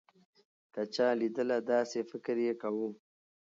که چا لېدله داسې فکر يې کوو.